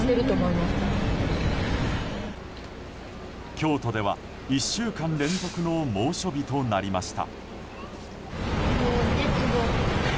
京都では１週間連続の猛暑日となりました。